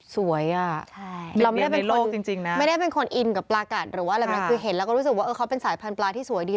สวยอ่ะเราไม่ได้เป็นคนอินกับปรากฏหรืออะไรแบบนั้นคือเห็นแล้วก็รู้สึกว่าเออเขาเป็นสายพันธุ์ปรากฏที่สวยดี